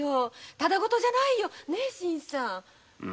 ただ事じゃないよ新さん。